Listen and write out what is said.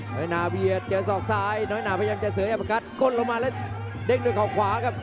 น้อยนาเบียดเจอสองซ้ายน้อยนาพยายามจะเสืออย่างประกัดกดลงมาแล้วเด้งด้วยข่าวขวาครับ